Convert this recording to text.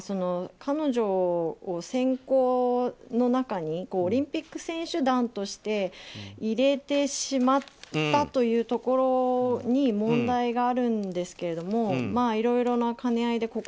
彼女を選考の中にオリンピック選手団として入れてしまったというところに問題があるんですけれどもいろいろな兼ね合いで